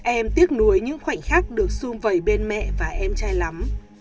em tiếc nuối những khoảnh khắc được xung vầy bên mẹ và em trai lắm